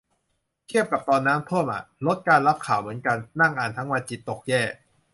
เทียบกับตอนน้ำท่วมอะ ลดการรับข่าวเหมือนกัน นั่งอ่านทั้งวันจิตตกแย่